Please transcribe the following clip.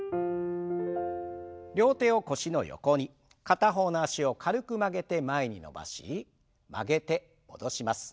片方の脚を軽く曲げて前に伸ばし曲げて戻します。